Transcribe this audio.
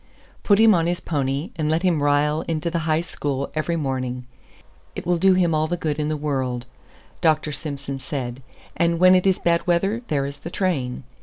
"Put him on his pony, and let him ride into the High School every morning; it will do him all the good in the world," Dr. Simson said; "and when it is bad weather, there is the train."